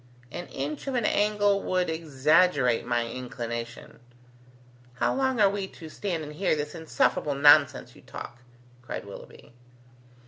"An inch of an angle would exaggerate my inclination." "How long are we to stand and hear this insufferable nonsense you talk?" cried Willoughby.